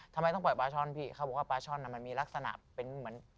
ทำไมต้องปล่อยปลาช่อนพี่เขาบอกว่าปลาช่อนมันมีลักษณะเป็นเหมือน